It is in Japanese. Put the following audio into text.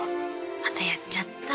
またやっちゃった。